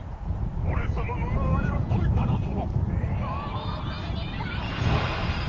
俺様の呪いを解いただと？」。